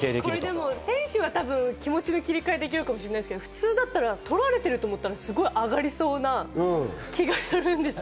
選手は気持ちの切り替えができるかもしれませんけど普通だったら撮られるてると思ったら上がりそうな気がする。